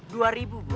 dua ribu bu